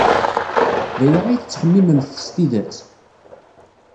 D aya ay tettxemmimemt s tidet?